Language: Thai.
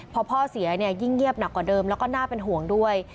พอพ่อเสียเนี่ยยิ่งเงียบหนักกว่าเดิมแล้วก็น่าเป็นห่วงด้วย